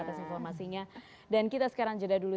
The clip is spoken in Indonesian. atas informasinya dan kita sekarang jeda dulu